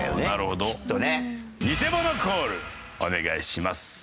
ニセモノコールお願いします。